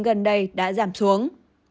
gần đây đã giảm xuống